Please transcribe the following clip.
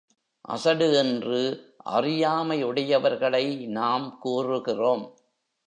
அசடு என்று அறியாமை உடையவர்களை நாம் கூறுகிறோம்.